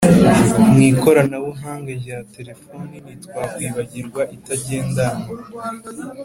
mu ikorana buhanga rya terefoni ntitwakwibagirwa itagendanwa,